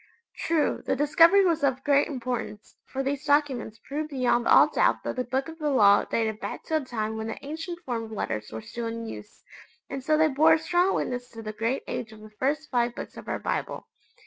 True, the discovery was of great importance, for these documents proved beyond all doubt that the Book of the Law dated back to a time when the ancient form of letters were still in use, and so they bore a strong witness to the great age of the first five Books of our Bible.